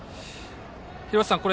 廣瀬さん